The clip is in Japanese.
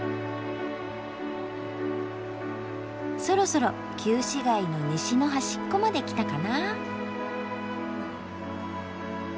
そろそろ旧市街の西の端っこまできたかな。